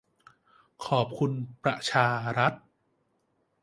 ขอบคุณประชารัฐ